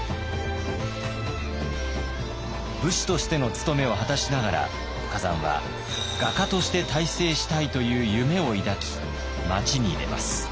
武士としての務めを果たしながら崋山は画家として大成したいという夢を抱き町に出ます。